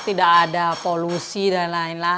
tidak ada polusi dan lain lain